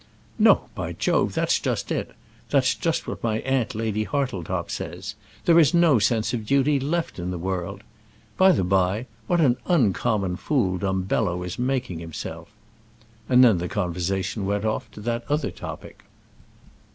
"No, by Jove; that's just it. That's what my aunt Lady Hartletop says; there is no sense of duty left in the world. By the by, what an uncommon fool Dumbello is making himself!" And then the conversation went off to that other topic.